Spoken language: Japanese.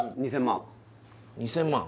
２０００万？